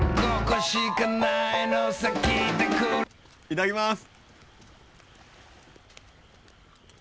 いただきます。